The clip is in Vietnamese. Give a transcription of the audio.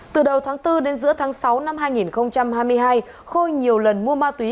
từ đầu tháng bốn đến giữa tháng sáu năm hai nghìn hai mươi hai khôi nhiều lần mua ma túy